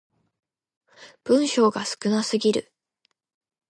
文章が少なすぎる